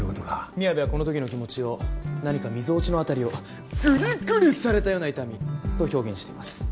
宮部はこのときの気持ちを「何かみぞおちの辺りをぐりぐりされたような痛み」と表現しています。